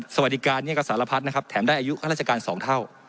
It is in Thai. สวัสดีการนี้ก็สารพัดนะครับแถมได้อายุข้าราชการ๒เท่า